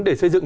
để xây dựng